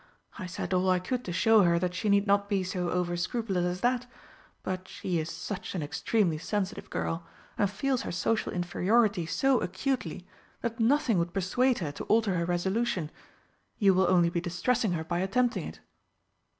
I said all I could to show her that she need not be so over scrupulous as that, but she is such an extremely sensitive girl, and feels her social inferiority so acutely that nothing would persuade her to alter her resolution. You will only be distressing her by attempting it."